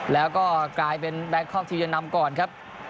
แล้วก็กลายเป็นแปลกคคท่ียันนำก่อนครับ